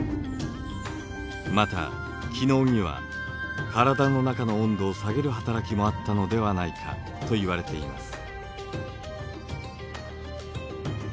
また気のうには体の中の温度を下げる働きもあったのではないかといわれています。